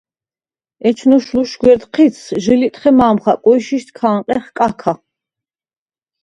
ეჩნოვშ ლუშგვერდ ჴიცს ჟი ლიტხე მა̄მ ხაკუ ი შიშდ ქ’ა̄ნყეხ კაქა.